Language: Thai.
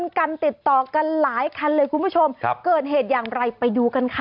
กันติดต่อกันหลายคันเลยคุณผู้ชมครับเกิดเหตุอย่างไรไปดูกันค่ะ